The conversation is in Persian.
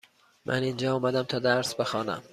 من اینجا آمدم تا درس بخوانم.